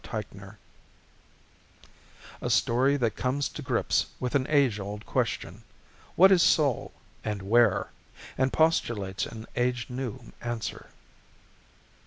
TEICHNER _A story that comes to grips with an age old question what is soul? and where? and postulates an age new answer.